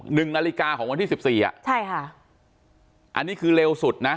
หนึ่งนาฬิกาของวันที่สิบสี่อ่ะใช่ค่ะอันนี้คือเร็วสุดนะ